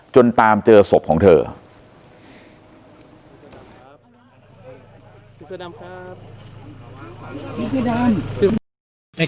ตามเจอศพของเธอ